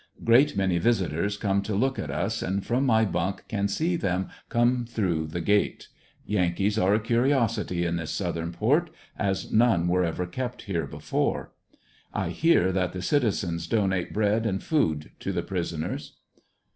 Great many visitors come to look at us and from my bunk can see them come through the gate; yankees are a curiosity in this southern port, as none were ever kept here before; I hear that the citizens donate bread and food to the prisoners.